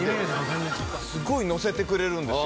すごいのせてくれるんですよ。